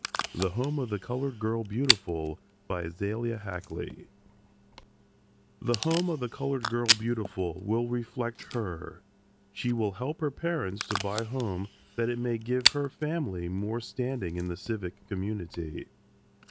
THE HOME OF THE COLORED GIRL BEAUTIFUL AZALIA HACKLEY The Home of the Colored Girl Beautiful will reflect her. She will help her parents to buy a home that it may give her family more standing in the civic community.